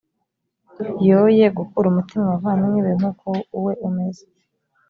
yoye gukura umutima abavandimwe be nk’uko uwe umeze.»